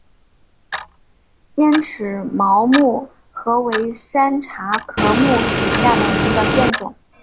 尖齿毛木荷为山茶科木荷属下的一个变种。